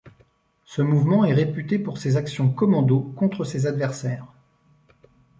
Ce mouvement est réputé pour ses actions commandos contre ses adversaires.